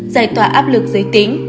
giải tỏa áp lực giới tính